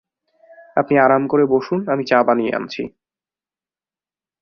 আপনি আরাম করে বসুন, আমি চা বানিয়ে আনছি।